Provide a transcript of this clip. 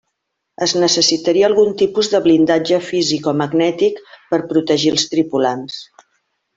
Es necessitaria algun tipus de blindatge físic o magnètic per a protegir els tripulants.